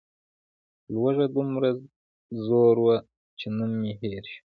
لوږه دومره زور وه چې نوم مې هېر شو.